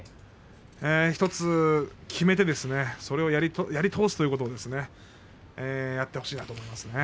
１つ決めてそれをやり通すということをですね、やってほしいなと思います。